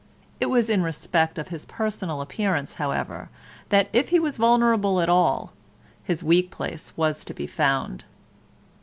It was in respect of his personal appearance, however, that, if he was vulnerable at all, his weak place was to be found.